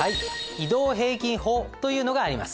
移動平均法というのがあります。